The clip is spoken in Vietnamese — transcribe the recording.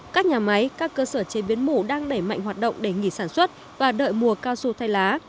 các nhà máy các cơ sở chế biến mủ đang đẩy mạnh hoạt động để nghỉ sản xuất và đợi mùa cao su thay lá